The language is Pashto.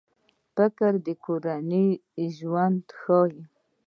فلم د کورنۍ ژوند ښيي